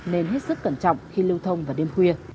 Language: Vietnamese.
nên hết sức cẩn trọng khi lưu thông vào đêm khuya